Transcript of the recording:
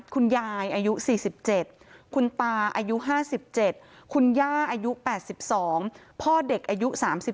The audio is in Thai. คุณยายอายุ๔๗คุณตาอายุ๕๗คุณย่าอายุ๘๒พ่อเด็กอายุ๓๒